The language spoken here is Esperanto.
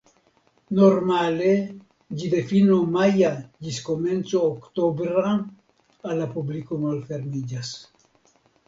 Normale ĝi de fino maja ĝis komenco oktobra al la publiko malfermiĝas.